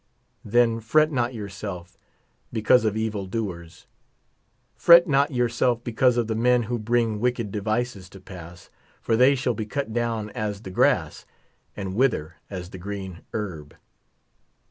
Then fret not yourself because of evil doers. Fret not yourself because of the men who bring wicked devices to pass, for they shall be cut down as the grass, and wither as the green herb.